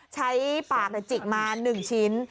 ใช้ปากจิกมา๑ชิ้น